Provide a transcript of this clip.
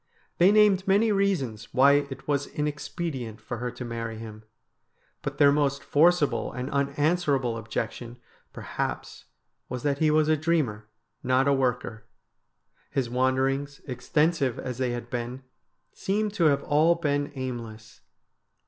They named many reasons why it was inexpedient for her to marry him, but their most forcible and unanswerable objection per haps was that he was a dreamer, not a worker. His wander ings, extensive as they had been, seemed to have all been aimless.